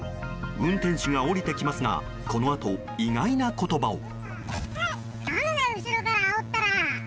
運転手が降りてきますがこのあと、意外な言葉を。